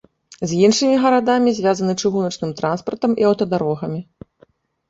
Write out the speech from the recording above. З іншымі гарадамі звязаны чыгуначным транспартам і аўтадарогамі.